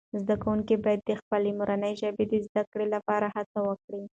زده کوونکي باید د خپلې مورنۍ ژبې د زده کړې لپاره هڅه وکړي.